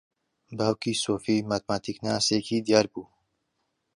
باوکی سۆفی ماتماتیکناسێکی دیار بوو.